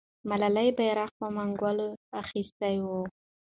ملالۍ بیرغ په منګولو اخیستی وو.